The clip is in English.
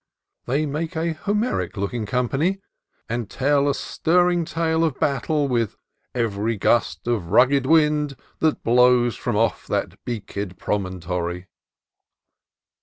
They make a Homeric looking company, and tell a stirring tale of battle with "... every gust of rugged winds That blows from off each beaked promontory."